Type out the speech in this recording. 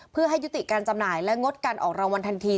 เพื่อให้ยุติการจำหน่ายและงดการออกรางวัลทันที